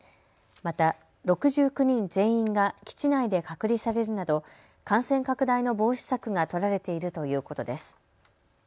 また、６９人全員が基地内で隔離されるなど感染拡大の防止策が取られているということです。